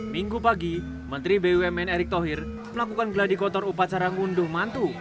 minggu pagi menteri bumn erick thohir melakukan geladi kotor upacara ngunduh mantu